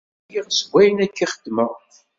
Ԑyiɣ seg ayen akka xeddmeɣ.